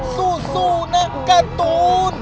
สู้นะการ์ตูน